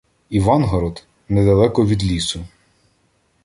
Івангород — недалеко від лісу.